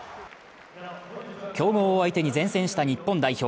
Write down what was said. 強豪を相手に善戦した日本代表。